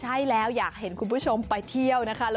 ใช่แล้วอยากเห็นคุณผู้ชมไปเที่ยวนะคะ